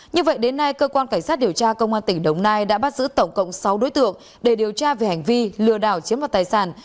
như vậy đến nay cơ quan cảnh sát điều tra công an tỉnh đồng nai đã bắt giữ tổng cộng sáu đối tượng để điều tra về hành vi lừa đảo chiếm vào tài sản